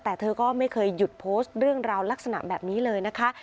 แต่เธอก็ไม่เคยหยุดโพสต์เรื่องราวลักษณะแบบนี้เลยนะคะ